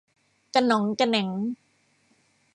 กะหน็องกะแหน็ง